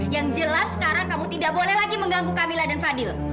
yang jelas sekarang kamu tidak boleh lagi mengganggu kamila dan fadil